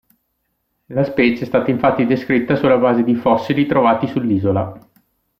La specie è stata infatti descritta sulla base di fossili trovati sull'isola.